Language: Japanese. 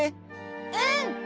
うん！